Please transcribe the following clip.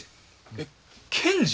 えっ検事！？